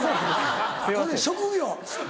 これ職業。